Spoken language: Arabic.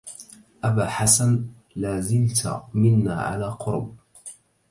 أبا حسن لا زلت منا على قرب